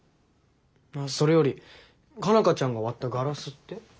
それより佳奈花ちゃんが割ったガラスって？